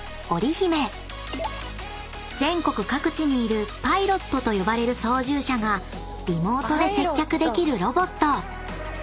［全国各地にいるパイロットと呼ばれる操縦者がリモートで接客できるロボット］